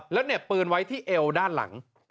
แล้วเหน็บปืนไว้ที่เอวด้านหลัง